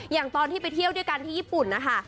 อย่างที่ไปเที่ยวด้วยกันที่ญี่ปุ่นนะคะ